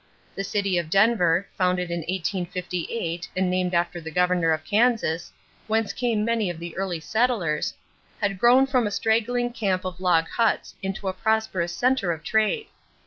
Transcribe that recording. The city of Denver, founded in 1858 and named after the governor of Kansas whence came many of the early settlers, had grown from a straggling camp of log huts into a prosperous center of trade.